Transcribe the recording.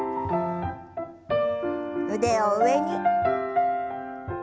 腕を上に。